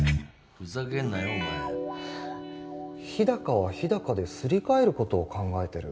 ふざけんなよお前日高は日高ですり替えることを考えてる？